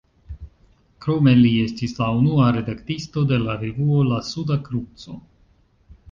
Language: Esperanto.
Krome li estis la unua redaktisto de la revuo "La Suda Kruco".